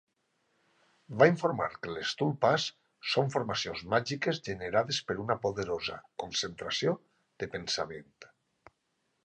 Va informar que les "tulpas" són formacions màgiques generades per una poderosa concentració de pensament.